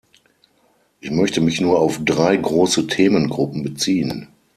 Ich möchte mich nur auf drei große Themengruppen beziehen.